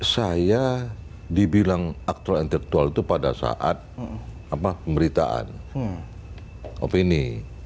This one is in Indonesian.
saya dibilang aktual dan aktual itu pada saat pemberitaan opini